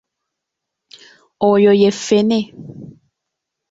Oyo ye ffene.